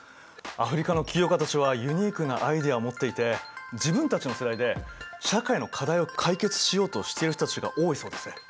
アフリカの起業家たちはユニークなアイデアを持っていて自分たちの世代で社会の課題を解決しようとしてる人たちが多いそうですね。